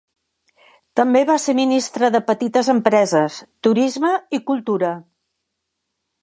També va ser ministre de Petites Empreses, Turisme i Cultura.